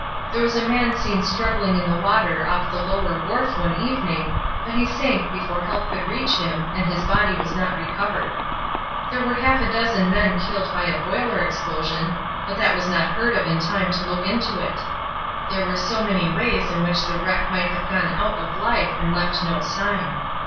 There was a man seen struggling in the water off the lower wharf one evening, but he sank before help could reach him, and his body was not recovered. There were half a dozen men killed by a boiler explosion, but that was not heard of in time to look into it. There were so many ways in which the wreck might have gone out of life and left no sign.